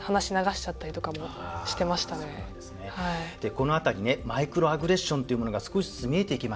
この辺りねマイクロアグレッションっていうものが少しずつ見えてきました。